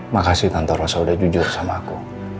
makasih tante roso udah jujur sama aku